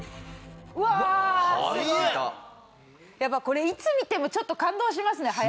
やっぱこれいつ見てもちょっと感動しますね早さ。